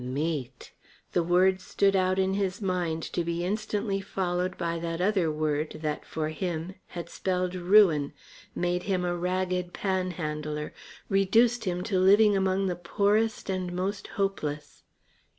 Meat. The word stood out in his mind to be instantly followed by that other word that, for him, had spelled ruin, made him a ragged panhandler, reduced him to living among the poorest and most hopeless.